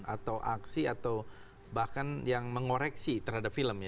atau aksi atau bahkan yang mengoreksi terhadap film ya